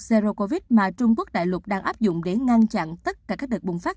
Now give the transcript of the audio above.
zero covid mà trung quốc đại lục đang áp dụng để ngăn chặn tất cả các đợt bùng phát